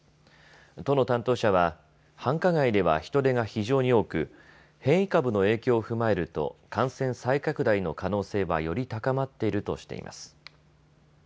都の担当者は繁華街では人出が非常に多く変異株の影響を踏まえると感染再拡大の可能性はより高まっているとしています。